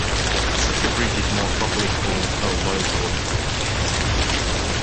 Such a bridge is more properly called a low water bridge.